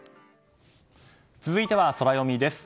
続いては、ソラよみです。